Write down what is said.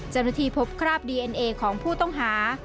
เจ้าหน้าที่พบคราบดีเอ็นเอของผู้ต้องหา